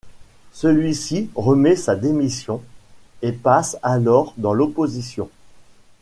Celui-ci remet sa démission et passe alors dans l'opposition.